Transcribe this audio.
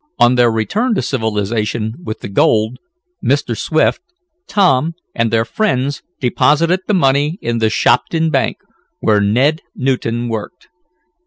On their return to civilization with the gold, Mr. Swift, Tom, and their friends deposited the money in the Shopton Bank, where Ned Newton worked.